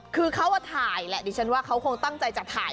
คือเขาถ่ายแหละดิฉันว่าเขาคงตั้งใจจะถ่าย